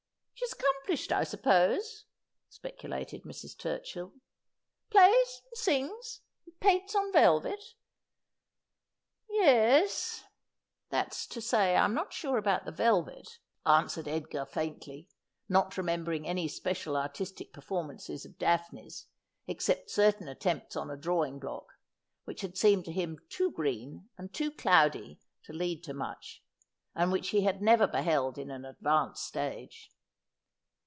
' She's accomplished, I suppose,' speculated Mrs. Turchill —' plays, and sings, and paints on velvet.' ' Ye — es ; that's to say I'm not sure about the velvet,' an 136 Asphodel. swered Edgar faintly, not remembering any special artistic per formances of Daphne's except certain attempts on a drawing block, which had seemed to him too green and too cloudy to lead to much, and which he had never beheld in an advanced stage.